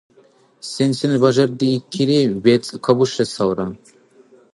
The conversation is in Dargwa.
– Сен-сен бажардиикири бецӀ кабушесалра?